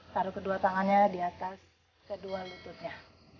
taruh kedua tangannya di atas kedua lututnya